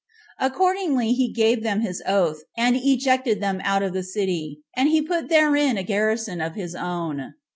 Accordingly he gave them his oath, and ejected them out of the city, and he put therein a garrison of his own.